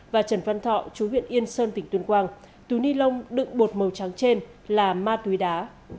và trần văn thọ chú huyện yên sơn tỉnh tuyên quang túi ni lông đựng bột màu trắng trên là ma túy đá